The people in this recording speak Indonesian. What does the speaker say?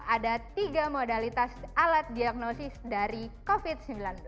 ada tiga modalitas alat diagnosis dari covid sembilan belas